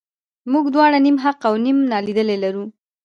موږ دواړه نیم حق او نیم نالیدلي لرو.